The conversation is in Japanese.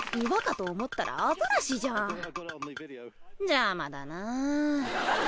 邪魔だな。